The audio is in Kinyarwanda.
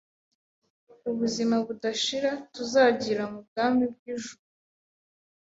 ubuzima budashira tuzagirira mu bwami bw’ijuru.